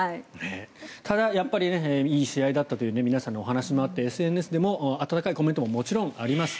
ただやっぱりいい試合だったという皆さんのお話もあってＳＮＳでももちろん温かいコメントもあります。